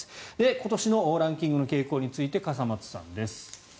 今年のランキングの傾向について笠松さんです。